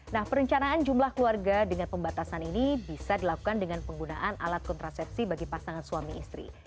nah perencanaan jumlah keluarga dengan pembatasan ini bisa dilakukan dengan penggunaan alat kontrasepsi bagi pasangan suami istri